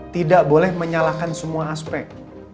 tidak boleh menyalahkan semua aspek